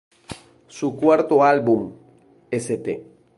Su cuarto álbum, St.